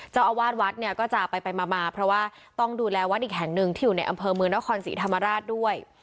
เจ้าอาวาสวัดเนี่ยก็จะไปมาเพราะว่าต้องดูแลวัดอีกแห่งหนึ่งที่อยู่ในอำเภอเมืองนครศรีธรรมราชด้วย